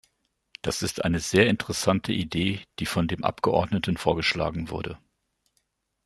Das ist eine sehr interessante Idee, die von dem Abgeordneten vorgeschlagen wurde.